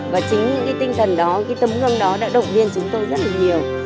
và chính những cái tinh thần đó cái tâm hương đó đã động viên chúng tôi rất là nhiều